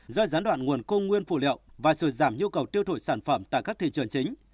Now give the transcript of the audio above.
do gián đoạn nguồn cung nguyên phụ liệu và sự giảm nhu cầu tiêu thụ sản phẩm tại các thị trường chính